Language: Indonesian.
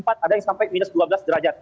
ada yang sampai minus dua belas derajat